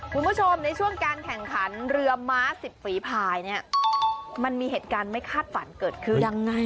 คุณผู้ชมในช่วงการแข่งขันเรือม้าสิบฝีภายเนี่ยมันมีเหตุการณ์ไม่คาดฝันเกิดขึ้นยังไง